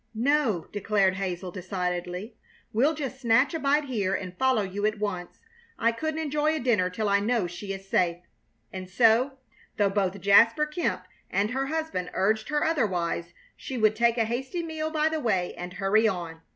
"No," declared Hazel, decidedly. "We'll just snatch a bite here and follow you at once. I couldn't enjoy a dinner till I know she is safe." And so, though both Jasper Kemp and her husband urged her otherwise, she would take a hasty meal by the way and hurry on.